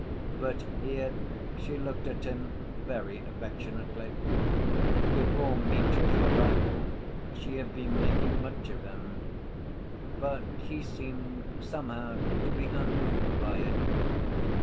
But here she looked at him very affectionately: before Mitya's arrival, she had been making much of him, but he seemed somehow to be unmoved by it.